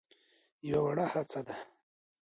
يوه وړه هڅه ده.